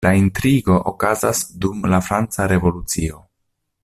La intrigo okazas dum la Franca Revolucio.